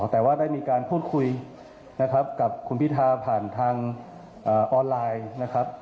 แต่ว่าได้มีการพูดคุยนะครับกับคุณพิธาผ่านทางออนไลน์นะครับ